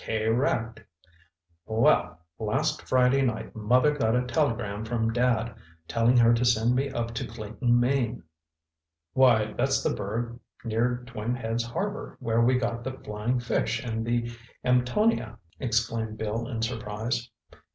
"K rect. Well, last Friday night Mother got a telegram from Dad, telling her to send me up to Clayton, Maine." "Why, that's the burg near Twin Heads Harbor where we got the Flying Fish and the Amtonia!" exclaimed Bill in surprise.